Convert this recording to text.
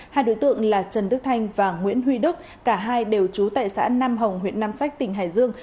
hai đối tượng là trần đức thanh và nguyễn huy đức cả hai đều trú tại xã nam hồng huyện nam sách tỉnh hải dương